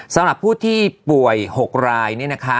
สำหรับผู้ที่ป่วย๖รายเนี่ยนะคะ